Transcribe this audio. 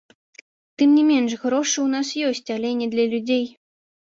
Тым не менш, грошы ў нас ёсць, але не для людзей.